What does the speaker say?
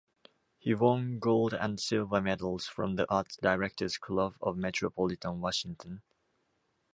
He won gold and silver medals from the Art Directors Club of Metropolitan Washington.